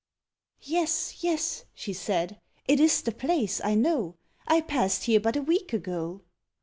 "Yes, yes," she said, "it is the place, I know; I passed here but a week ago."